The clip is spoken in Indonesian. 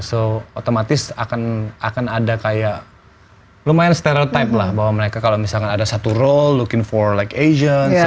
so otomatis akan ada kayak lumayan stereotype lah bahwa mereka kalau misalkan ada satu role looking for like asians